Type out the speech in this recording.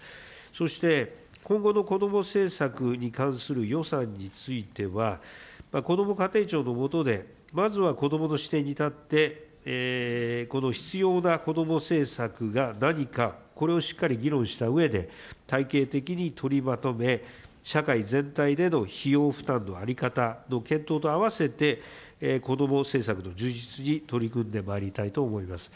そして今後の子ども政策に関する予算については、こども家庭庁の下で、まずは子どもの視点に立ってこの必要なこども政策が何か、これをしっかり議論したうえで体系的に取りまとめ、社会全体での費用負担の在り方の検討と併せて、こども政策の充実に取り組んでまいりたいと思います。